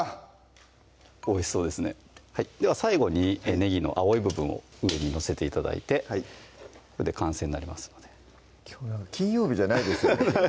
おいしそうですねでは最後にねぎの青い部分を上に載せて頂いてこれで完成になりますのできょう金曜日じゃないですよね